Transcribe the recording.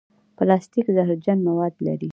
پلاستيک زهرجن مواد لري.